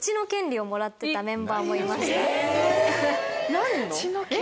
何の？